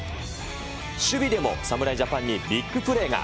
守備でも侍ジャパンにビッグプレーが。